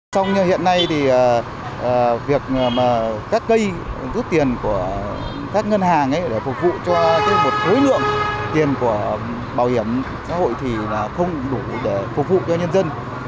vì vậy các cây rút tiền của các ngân hàng để phục vụ cho một tối lượng tiền của bảo hiểm xã hội thì không đủ để phục vụ cho nhân dân